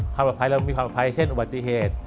ข้อบรรยาเรามีเป็นความประภัยเช่นอุบัติเหตุ